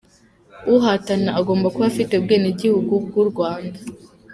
Uhatana agomba kuba afite ubwenegihugu bw’u Rwanda .